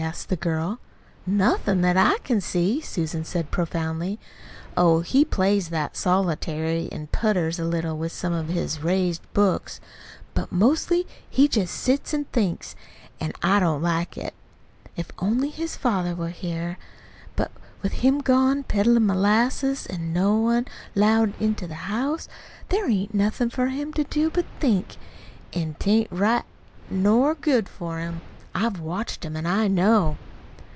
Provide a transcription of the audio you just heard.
asked the girl. "Nothin', that I can see," sighed Susan profoundly. "Oh, he plays that solitary some, an' putters a little with some of his raised books; but mostly he jest sits still an' thinks. An' I don't like it. If only his father was here. But with him gone peddlin' molasses, an' no one 'lowed into the house, there ain't anything for him to do but to think. An' 'tain't right nor good for him. I've watched him an' I know."